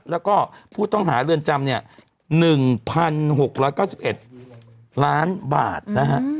แล้วก็ผู้ต้องหาเรือนจำเนี่ย๑๖๙๑ล้านบาทนะฮะ